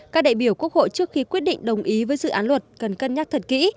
các đại biểu quốc hội trước khi quyết định đồng ý với dự án luật cần cân nhắc thật kỹ